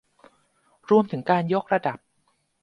รวมถึงการยกระดับ